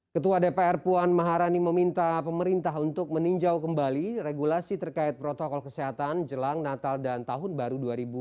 ketua dpr puan maharani meminta pemerintah untuk meninjau kembali regulasi terkait protokol kesehatan jelang natal dan tahun baru dua ribu dua puluh